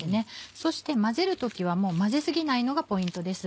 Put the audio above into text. そして混ぜる時はもう混ぜ過ぎないのがポイントです。